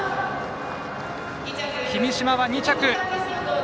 君嶋は２着。